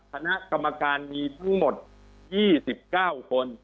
คณะกรรมการมีทั้งหมด๒๙คน